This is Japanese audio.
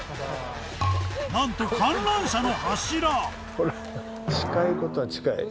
何と観覧車の柱！